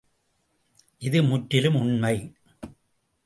இது முற்றிலும் உண்மை!